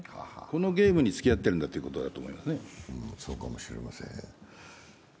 このゲームにつきあってるんだということだと思いますね。